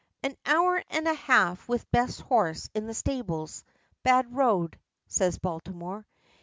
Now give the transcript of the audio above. "Hour and a half with best horse in the stables. Bad road," says Baltimore.